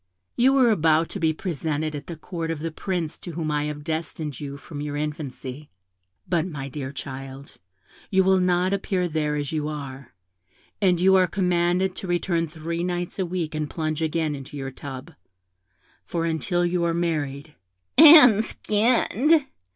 You are about to be presented at the Court of the Prince to whom I have destined you from your infancy; but, my dear child, you will not appear there as you are, and you are commanded to return three nights a week and plunge again in your tub; for until you are married' 'and skinned!'